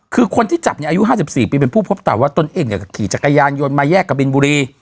คือคนที่จับอายุ๕๔ปีเป็นผู้พบต่อว่าต้นเองอยากขี่จักรยานโยนมาแยกกับบิลบุรี